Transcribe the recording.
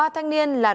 ba thanh niên là